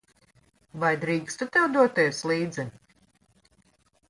Vai drīkstu tev doties līdzi?